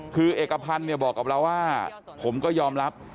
คือเอกพันธ์บอกกับเราว่าผมก็ยอมรับ